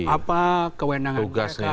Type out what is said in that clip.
apa kewenangan mereka